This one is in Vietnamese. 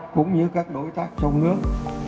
cũng như các đối tác trong nước